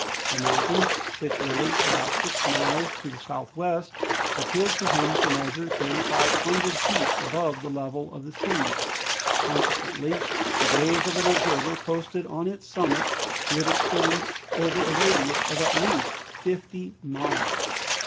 The mountain, situated about six miles to the northwest, appeared to him to measure 3,500 feet above the level of the sea. Consequently the gaze of an observer posted on its summit would extend over a radius of at least fifty miles.